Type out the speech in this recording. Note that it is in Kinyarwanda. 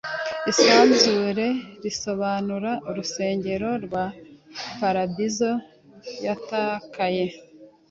isanzure risobanura urugero rwa paradizo yatakaye